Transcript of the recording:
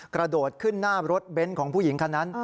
กระโดดขึ้นหน้ารถเบนท์ของผู้หญิงคนนั้น